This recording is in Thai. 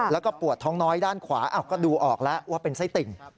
แล้วก็ปวดท้องน้อยด้านขวาก็ดูออกแล้วว่าเป็นไส้ติ่ง